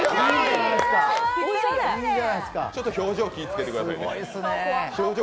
ちょっと表情気いつけてくださいね。